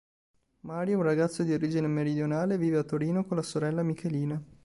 Mario, un ragazzo di origine meridionale, vive a Torino con la sorella Michelina.